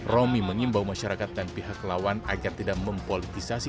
romi mengimbau masyarakat dan pihak lawan agar tidak mempolitisasi